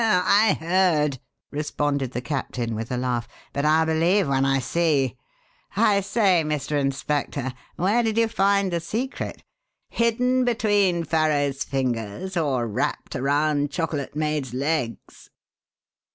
"I heard," responded the captain with a laugh. "But I'll believe when I see. I say, Mr. Inspector, where did you find the secret? Hidden between Farrow's fingers or wrapped around Chocolate Maid's legs?"